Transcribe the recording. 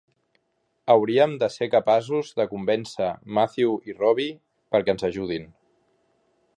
Hauríem de ser capaços de convèncer Matthew i Robbie perquè ens ajudin.